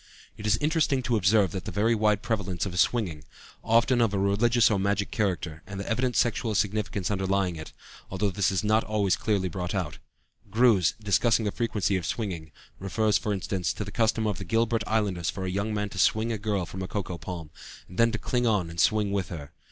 It is interesting to observe the very wide prevalence of swinging, often of a religious or magic character, and the evident sexual significance underlying it, although this is not always clearly brought out. Groos, discussing the frequency of swinging (Die Spiele der Menschen, p. 114) refers, for instance, to the custom of the Gilbert Islanders for a young man to swing a girl from a coco palm, and then to cling on and swing with her.